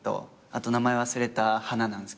あと名前忘れた花なんですけど。